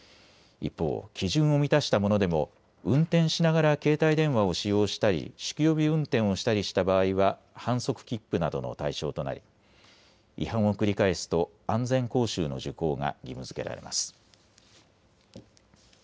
一方、基準を満たしたものでも運転しながら携帯電話を使用したり酒気帯び運転をしたりした場合は反則切符などの対象となり違反を繰り返すと安全講習の受講が義務づけられます。